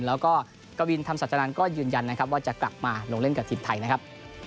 แล้วก็กวินธรรมสัจนานันต์ก็ยืนยันนะครับว่าจะกลับมาลงเล่นกับทีมไทยนะครับ